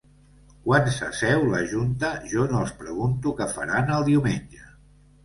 Quan s’asseu la junta jo no els pregunto què faran el diumenge.